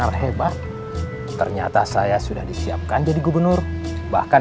allah hu akbar allah hu akbar allah hu akbar